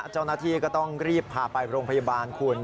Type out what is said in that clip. เจ้าหน้าที่ก็ต้องรีบพาไปโรงพยาบาลคุณ